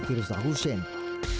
seorang wanita yang diduga sempat